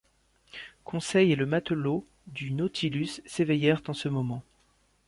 Conseil et le matelot du Nautilus s’éveillèrent en ce moment.